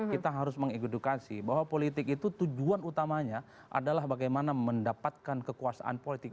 kita harus mengedukasi bahwa politik itu tujuan utamanya adalah bagaimana mendapatkan kekuasaan politik